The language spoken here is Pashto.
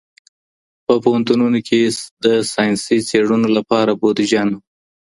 په پوهنتونونو کي د ساینسي څېړنو لپاره بودیجه نه وه.